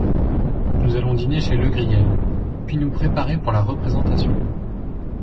Nous allons dîner chez Legriel, puis nous préparer pour la représentation.